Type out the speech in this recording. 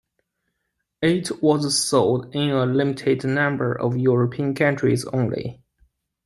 It was sold in a limited number of European countries only.